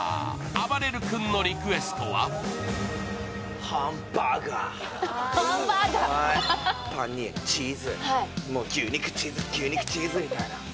あばれる君のリクエストはパンにチーズ、牛肉、チーズ、牛肉、チーズ。